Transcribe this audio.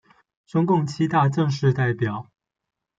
中共七大正式代表。